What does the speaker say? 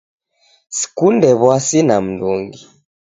Sikunde wuasi na mndungi